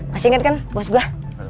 masih inget kan bos gue